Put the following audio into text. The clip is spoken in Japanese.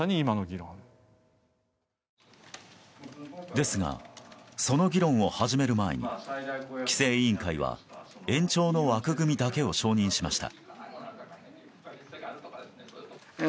ですが、その議論を始める前に規制委員会は延長の枠組みだけを承認しました。